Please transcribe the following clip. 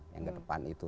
yang kedepan itu